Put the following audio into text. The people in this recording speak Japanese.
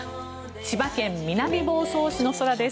千葉県南房総市の空です。